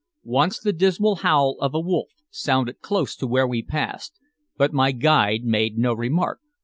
Once the dismal howl of a wolf sounded close to where we passed, but my guide made no remark.